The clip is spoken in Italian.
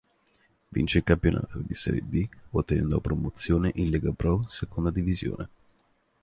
Vince il campionato di Serie D ottenendo la promozione in Lega Pro Seconda Divisione.